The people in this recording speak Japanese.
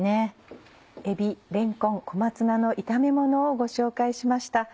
「えびれんこん小松菜の炒めもの」をご紹介しました。